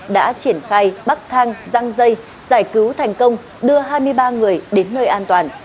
đã triển khai bắc thang răng dây giải cứu thành công đưa hai mươi ba người đến nơi an toàn